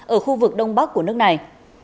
ở khu vực đông bắc của nước này